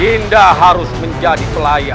dinda harus menjadi pelayan